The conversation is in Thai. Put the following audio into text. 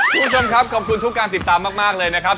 คุณผู้ชมครับขอบคุณทุกการติดตามมากเลยนะครับ